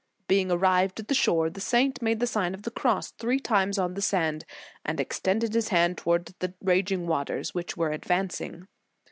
Being arrived at the shore, the saint made the Sign of the Cross three times on the sand, and extended his hand towards the raging waters, which were advancing.